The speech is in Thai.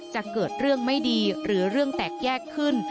จะเกิดเรื่องไม่ดีหรือเรื่องแตกแยกขึ้น